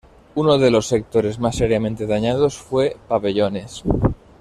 Uno de los sectores más seriamente dañados fue Pabellones.